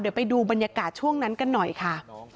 เดี๋ยวไปดูบรรยากาศช่วงนั้นกันหน่อยค่ะ